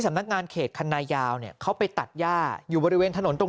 สำนักงานเขตคันนายาวเนี่ยเขาไปตัดย่าอยู่บริเวณถนนตรง